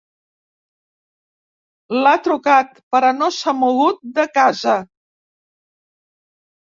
L'ha trucat, però no s'ha mogut de casa.